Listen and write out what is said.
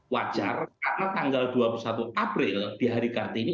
wajar karena tanggal dua puluh satu april di hari kartini